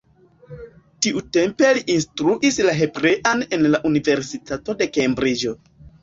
Tiutempe li instruis la hebrean en la Universitato de Kembriĝo.